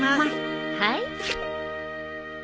はい。